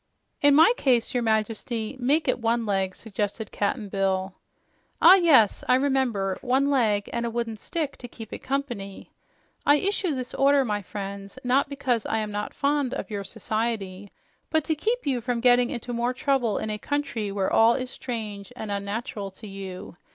"In my case, your Majesty, make it ONE leg," suggested Cap'n Bill. "Ah yes, I remember. One leg and a wooden stick to keep it company. I issue this order, dear friends, not because I am not fond of your society, but to keep you from getting into more trouble in a country where all is strange and unnatural to you.